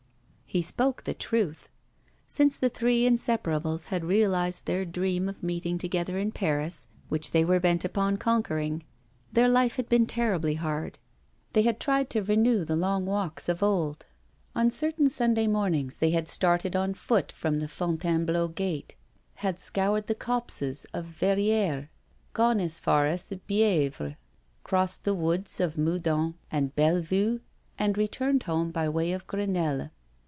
He spoke the truth. Since the three inseparables had realised their dream of meeting together in Paris, which they were bent upon conquering, their life had been terribly hard. They had tried to renew the long walks of old. On certain Sunday mornings they had started on foot from the Fontainebleau gate, had scoured the copses of Verrières, gone as far as the Bièvre, crossed the woods of Meudon and Bellevue, and returned home by way of Grenelle.